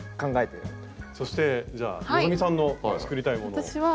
そしてじゃあ希さんの作りたいものを。